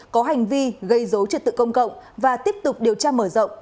có hành vi gây dấu truyền tự công cộng và tiếp tục điều tra mở rộng